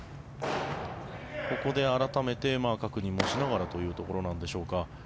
ここで改めて確認もしながらというところでしょうか。